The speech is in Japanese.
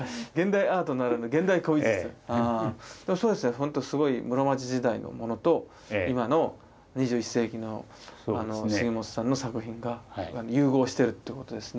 ほんとすごい室町時代のものと今の２１世紀の杉本さんの作品が融合してるってことですね。